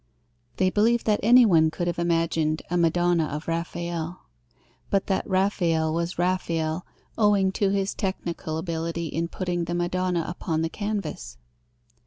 They believe that anyone could have imagined a Madonna of Raphael; but that Raphael was Raphael owing to his technical ability in putting the Madonna upon the canvas.